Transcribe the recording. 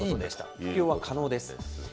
服用は可能です。